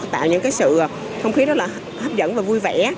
tạo những sự không khí rất là hấp dẫn và vui vẻ